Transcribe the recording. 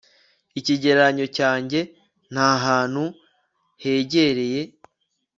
ikigereranyo cyanjye ntahantu hegereye